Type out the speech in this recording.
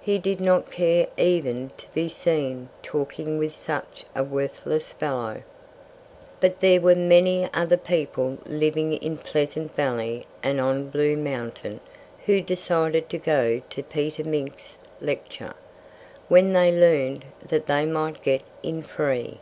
He did not care even to be seen talking with such a worthless fellow. But there were many other people living in Pleasant Valley and on Blue Mountain who decided to go to Peter Mink's lecture when they learned that they might get in free.